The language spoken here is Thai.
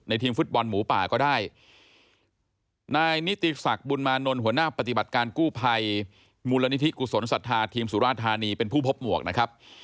ทีมฟุตบอลหมูป่าก็ได้นายนิติศักดิ์บุญมานนท์หัวหน้าปฏิบัติการกู้ภัยมูลนิธิกุศลศรัทธาทีมสุราธานีเป็นผู้พบหมวกนะครับ